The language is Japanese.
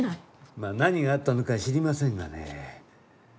まあ何があったのかは知りませんがね